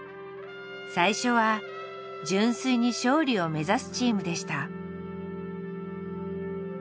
最初は純粋に勝利を目指すチームでした。